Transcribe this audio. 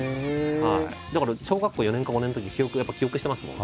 だから小学校４年か５年のときやっぱ記憶してますもん。